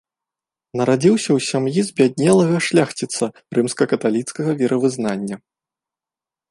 Нарадзіўся ў сям'і збяднелага шляхціца рымска-каталіцкага веравызнання.